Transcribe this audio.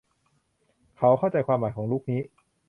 เขาเข้าใจความหมายของลุคนี้